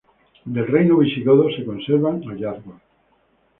Del reino visigodo se conservan hallazgos.